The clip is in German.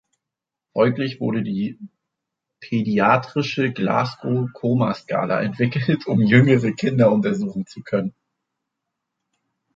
Folglich wurde die pädiatrische Glasgow-Koma-Skala entwickelt, um jüngere Kinder untersuchen zu können.